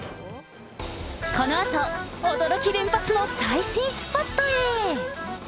このあと、驚き連発の最新のスポットへ。